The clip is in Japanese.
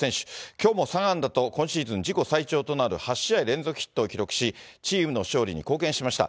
きょうも３安打と今シーズン自己最長となる８試合連続ヒットを記録し、チームの勝利に貢献しました。